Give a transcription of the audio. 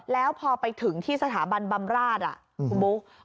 แล้วพอไปถึงที่สถาบันบำราชคุณบุ๊ค